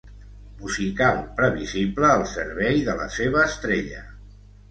Musical previsible al servei de la seva estrella.